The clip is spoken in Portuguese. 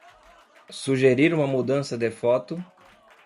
Sugerir uma mudança de foto